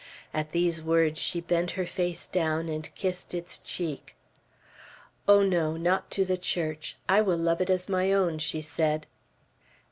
At these words she bent her face down and kissed its cheek. "Oh, no! not to the Church! I will love it as my own," she said.